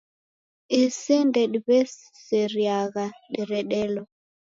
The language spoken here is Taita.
Isi ndediw'eseriagha diredelo